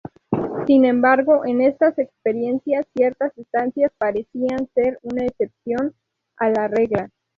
Sin embargo, en estas experiencias, ciertas sustancias parecían ser una excepción a la regla.